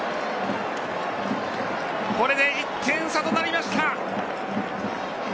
これで１点差となりました。